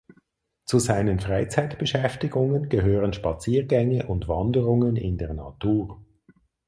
Zu seinen Freizeitbeschäftigungen gehören Spaziergänge und Wanderungen in der Natur.